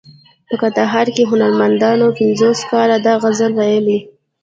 په کندهار کې هنرمندانو پنځوس کاله دا غزل ویلی.